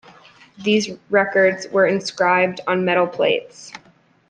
These records were inscribed on metal plates.